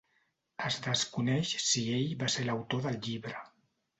Es desconeix si ell va ser l'autor del llibre.